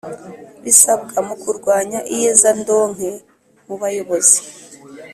Bisabwa mu kurwanya iyezandonke mubayobozi